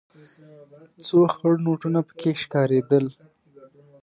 څو خړ نوټونه پکې ښکارېدل.